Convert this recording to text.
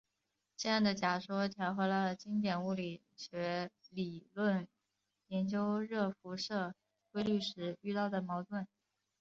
这样的假说调和了经典物理学理论研究热辐射规律时遇到的矛盾。